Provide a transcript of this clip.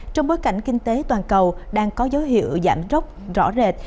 trong bối cảnh kinh tế toàn cầu đang có dấu hiệu giảm rốc rõ rệt